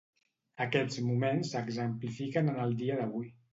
Aquests moments s'exemplifiquen en el dia d'avui.